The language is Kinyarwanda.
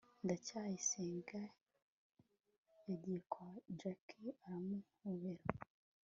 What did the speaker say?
ndacyayisenga yagiye kwa jaki aramuhobera